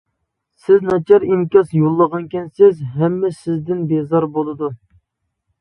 سىز ناچار ئىنكاس يوللىغانكەنسىز ھەممە سىزدىن بىزار بولىدۇ.